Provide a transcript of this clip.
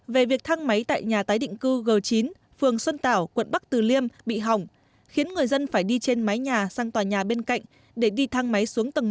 về việc thăng máy tại nhà tái định cư g chín phường xuân tảo quận bắc từ lý